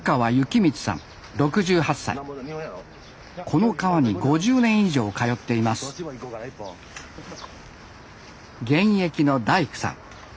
この川に５０年以上通っています現役の大工さん。